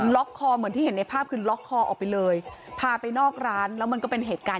คอเหมือนที่เห็นในภาพคือล็อกคอออกไปเลยพาไปนอกร้านแล้วมันก็เป็นเหตุการณ์